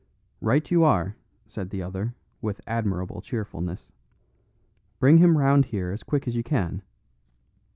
"Right you are," said the other, with admirable cheerfulness. "Bring him round here as quick as you can."